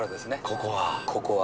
ここは。